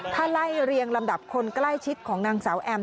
ถ้าไล่เรียงลำดับคนใกล้ชิดของนางสาวแอม